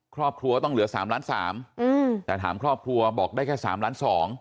ครอบครัวต้องเหลือ๓ล้าน๓แต่ถามครอบครัวบอกได้แค่๓ล้าน๒